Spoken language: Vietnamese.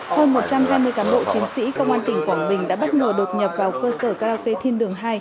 hơn một trăm hai mươi cán bộ chiến sĩ công an tỉnh quảng bình đã bất ngờ đột nhập vào cơ sở karaoke thiên đường hai